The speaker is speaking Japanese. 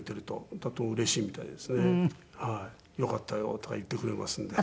「よかったよ」とか言ってくれますんで。